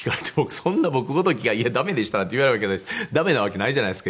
そんな僕ごときがいや駄目でしたなんて言えるわけないし駄目なわけないじゃないですか。